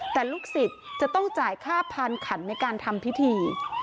แต่ลูกศิษย์จะต้องจ่ายค่าพานขันในการทำพิธี